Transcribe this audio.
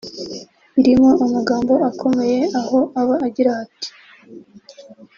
Irimo amagambo akomeye aho aba agira ati